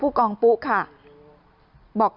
ไปเยี่ยมผู้แทนพระองค์